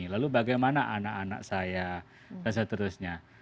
lalu bagaimana anak anak saya dan seterusnya